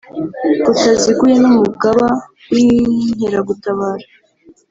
butaziguye n Umugaba w Inkeragutabara